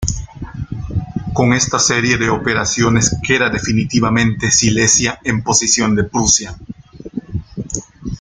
Con esta serie de operaciones queda definitivamente Silesia en posesión de Prusia.